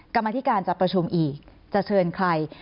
กรรมธิการจะประชุมอีกจะเชิญใคร